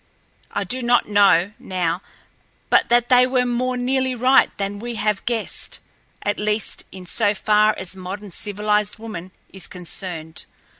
I do not know, now, but that they were more nearly right than we have guessed, at least in so far as modern civilized woman is concerned.